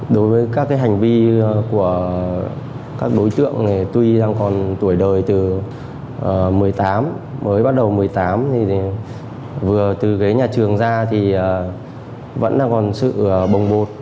đối với các hành vi của các đối tượng tuy đang còn tuổi đời từ một mươi tám mới bắt đầu một mươi tám vừa từ nhà trường ra thì vẫn còn sự bồng bột